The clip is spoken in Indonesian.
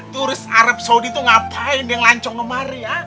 turis arab saudi tuh ngapain yang lancong kemari ya